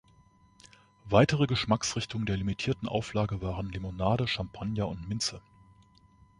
Weitere Geschmacksrichtungen der limitierten Auflage waren Limonade, Champagner und Minze.